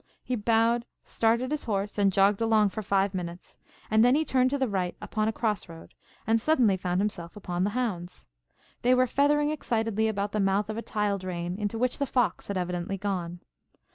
He bowed, started his horse, and jogged along for five minutes, then he turned to the right upon a crossroad and suddenly found himself upon the hounds. They were feathering excitedly about the mouth of a tile drain into which the fox had evidently gone.